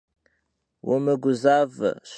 Vumıguzaue, şıs!